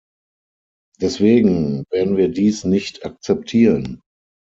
Deswegen werden wir dies nicht akzeptieren.